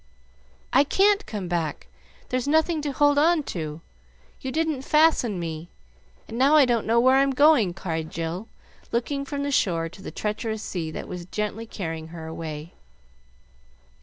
"I can't come back! There's nothing to hold on to! You didn't fasten me, and now I don't know where I'm going!" cried Jill, looking from the shore to the treacherous sea that was gently carrying her away.